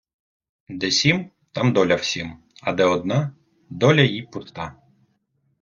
Де сім, там доля всім, а де одна, доля їй пуста.